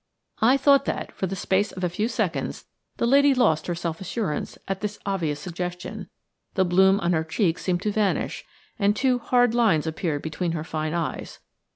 I thought that, for the space of a few seconds, the lady lost her self assurance at this obvious suggestion–the bloom on her cheeks seemed to vanish, and two hard lines appeared between her fine eyes.